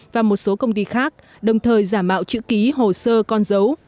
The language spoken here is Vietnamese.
và một số công ty khác đồng thời giả mạo chữ ký hồ sơ con dấu